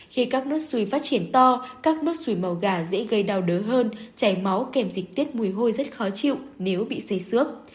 khi các nốt suối phát triển to các nốt suối màu gà dễ gây đau đớn hơn chảy máu kèm dịch tiết mùi hôi rất khó chịu nếu bị xây xước